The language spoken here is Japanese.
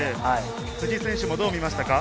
辻選手はどう見ましたか？